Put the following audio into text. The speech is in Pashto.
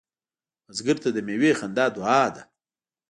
بزګر ته د میوې خندا دعا ده